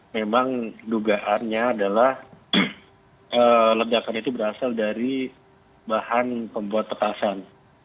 memang dugaannya adalah ledakan itu berasal dari bahan pembuat petasan